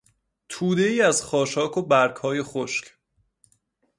تودهای از خاشاک و برگهای خشک